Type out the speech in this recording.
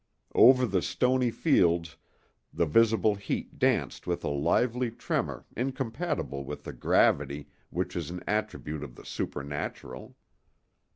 Over the stony fields the visible heat danced with a lively tremor incompatible with the gravity which is an attribute of the supernatural.